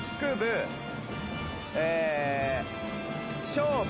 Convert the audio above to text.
勝負。